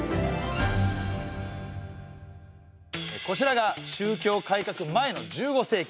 こちらが宗教改革前の１５世紀。